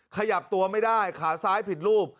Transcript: ขยับตัวไม่ได้ขาซ้ายผิดรูป